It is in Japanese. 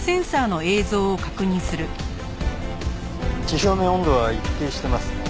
地表面温度は一定してますね。